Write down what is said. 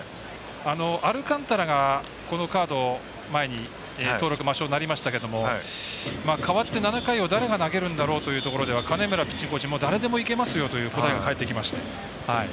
アルカンタラがこのカード前に登録抹消になりましたけれども代わって７回を誰が投げるんだろうというところで金村ピッチングコーチ誰でもいけますよという答えが返ってきました。